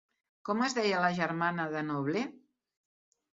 Com es deia la germana de Noble?